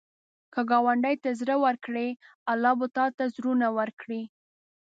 که ګاونډي ته زړه ورکړې، الله به تا ته زړونه ورکړي